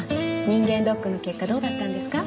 人間ドックの結果どうだったんですか？